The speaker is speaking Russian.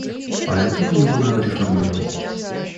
Поэтому его надо реформировать.